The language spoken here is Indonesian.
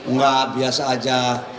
nggak biasa aja